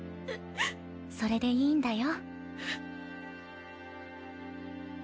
それでいいんだよ。